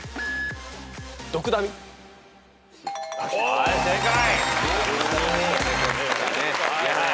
はい正解。